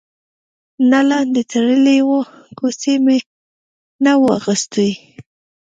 نه لاندې تړلی و، کوسۍ مې نه وه اغوستې.